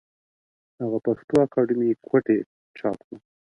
هغه پښتو اکادمي کوټې چاپ کړه